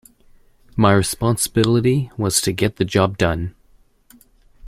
My responsibility was to get the job done.